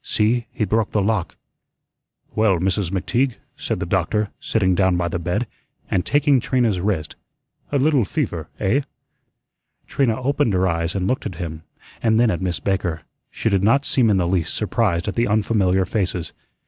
See, he broke the lock." "Well, Mrs. McTeague," said the doctor, sitting down by the bed, and taking Trina's wrist, "a little fever, eh?" Trina opened her eyes and looked at him, and then at Miss Baker. She did not seem in the least surprised at the unfamiliar faces.